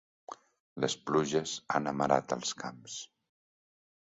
Les pluges han amarat els camps.